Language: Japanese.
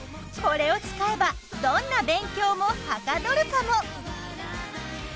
これを使えばどんな勉強もはかどるかも？